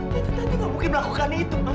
tante tanti nggak mungkin melakukan itu ma